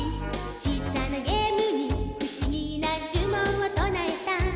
「小さなゲームにふしぎなじゅもんをとなえた」